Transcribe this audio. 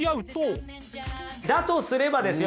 だとすればですよ